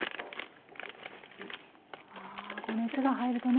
こう熱が入るとね